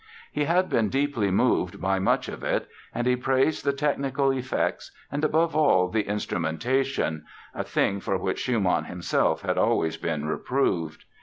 He had been deeply moved by much of it; and he praised the technical effects and above all the instrumentation (a thing for which Schumann himself had always been reproved).